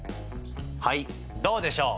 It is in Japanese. はいどうでしょう！